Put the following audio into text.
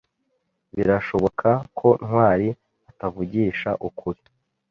Birashoboka ko Ntwali atavugisha ukuri.